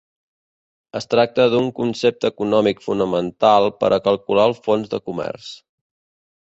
Es tracta d'un concepte econòmic fonamental per a calcular el fons de comerç.